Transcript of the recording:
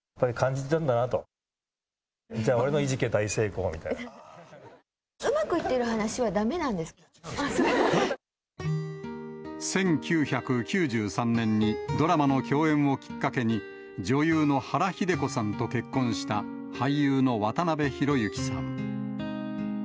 じゃあ、うまくいってる話はだめなん１９９３年に、ドラマの共演をきっかけに、女優の原日出子さんと結婚した俳優の渡辺裕之さん。